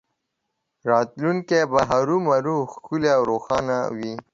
راتلونکی به هرومرو ښکلی او روښانه وي